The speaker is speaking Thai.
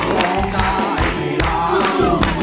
ร้องได้ไม่ล้าง